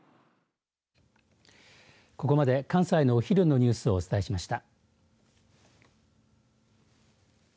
ここまで関西のお昼のニュースをお伝えしました。